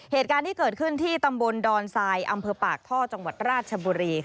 เหตุการณ์ที่เกิดขึ้นที่ตำบลดอนทรายอำเภอปากท่อจังหวัดราชบุรี